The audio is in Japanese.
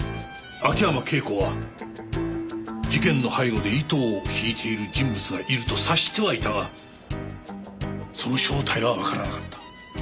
秋山圭子は事件の背後で糸を引いている人物がいると察してはいたがその正体がわからなかった。